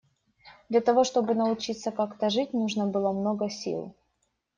Для того чтобы научиться как-то жить, нужно было много сил.